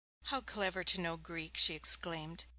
'How clever to know Greek!' she exclaimed.